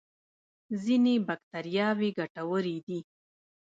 ځینې بکتریاوې ګټورې دي